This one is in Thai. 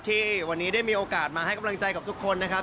ที่วันนี้ได้มีโอกาสมาให้กำลังใจกับทุกคนนะครับ